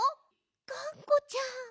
がんこちゃん。